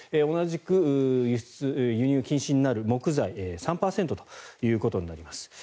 同じく輸入禁止になる木材３％ということになります。